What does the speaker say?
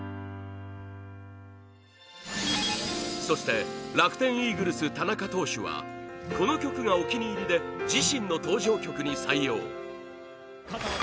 そして楽天イーグルス田中投手はこの曲がお気に入りで自身の登場曲に採用